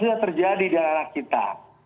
sudah terjadi di anak anak kita